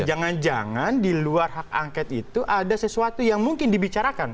jangan jangan di luar hak angket itu ada sesuatu yang mungkin dibicarakan